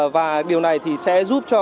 và điều này sẽ giúp cho